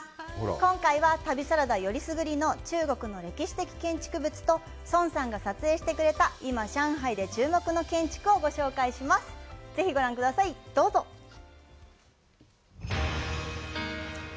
今回は旅サラダよりすぐりの中国の歴史的建築物と、孫さんが撮影してくれた、今、上海で注目の建築をご紹介します。